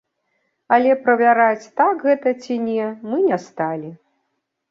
Але правяраць, так гэта ці не, мы не сталі.